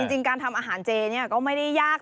จริงการทำอาหารเจนี่ก็ไม่ได้ยาก